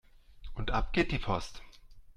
Und ab geht die Post